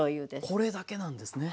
これだけなんですね。